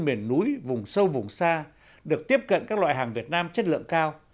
miền núi vùng sâu vùng xa được tiếp cận các loại hàng việt nam chất lượng cao